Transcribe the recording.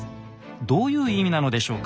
どういう意味なのでしょうか？